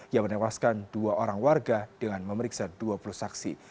yang menewaskan dua orang warga dengan memeriksa dua puluh saksi